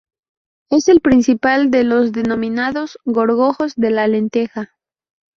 Es el principal de los denominados gorgojos de la lenteja.